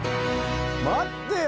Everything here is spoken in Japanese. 待ってよ。